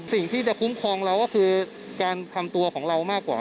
สิ่งที่จะคุ้มครองเราก็คือการทำตัวของเรามากกว่า